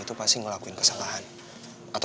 tapi seenggaknya gue udah lega kok